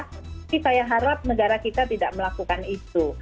tapi saya harap negara kita tidak melakukan itu